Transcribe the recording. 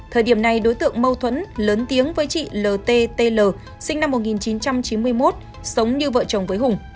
thời điểm này đối tượng mâu thuẫn lớn tiếng với chị l t t l sinh năm một nghìn chín trăm chín mươi một sống như vợ chồng với hùng